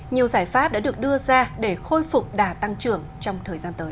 nhiều giải pháp đã được đưa ra để khôi phục đà tăng trưởng trong thời gian tới